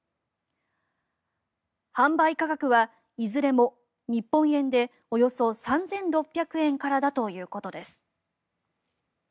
販売価格はいずれも日本円でおよそ３６００円からだということです。